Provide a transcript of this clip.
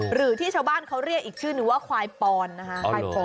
หรือที่ชาวบ้านเขาเรียกอีกชื่อหนูว่าขวายปอนนะคะ